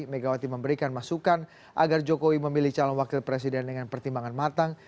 megawati memberikan masukan agar jokowi memilih calon wakil presiden dengan pertimbangan matang